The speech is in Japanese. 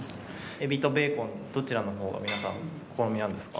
エビとベーコンどちらのほうが皆さんお好みなんですか？